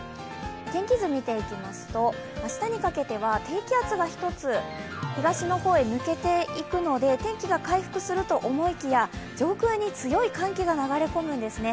天気図見ていきますと明日にかけては低気圧が１つ東の方へ抜けていくので天気が回復するかと思いきや、上空に強い寒気が流れ込むんですね。